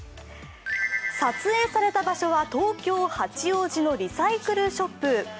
撮影された場所は東京・八王子のリサイクルショップ。